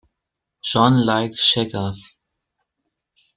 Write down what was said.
John likes checkers.